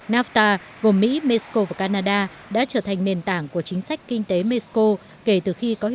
nafta gồm mỹ mexico và canada đã trở thành nền tảng của chính sách kinh tế mexico